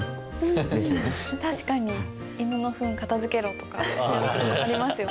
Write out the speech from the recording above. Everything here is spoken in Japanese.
「犬のふん片づけろ」とかありますよね。